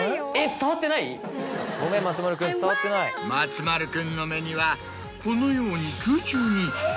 松丸君の目にはこのように。